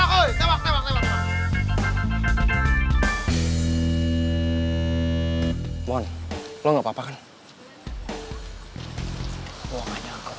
kalau gue bisa kalahin alex